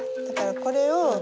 だからこれを。